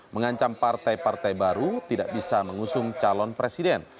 mengancam partai partai baru tidak bisa mengusung calon presiden